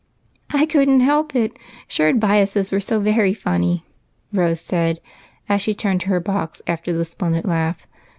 55 " I could n't help it, ' shirred biases ' were so very funny !" Rose said, as she turned to her box after the splendid laugh.